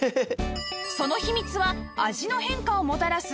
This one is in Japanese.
その秘密は味の変化をもたらす